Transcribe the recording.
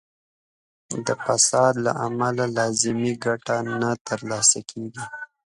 د فساد له امله لازمه ګټه نه تر لاسه کیږي.